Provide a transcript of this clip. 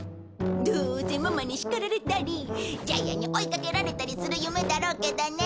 どうせママに叱られたりジャイアンに追いかけられたりする夢だろうけどね。